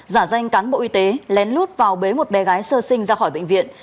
giả danh cán bộ y tế lén lút vào bế một bé gái sơ sinh ra khỏi bệnh viện